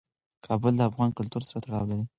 کابل د افغان کلتور سره تړاو لري.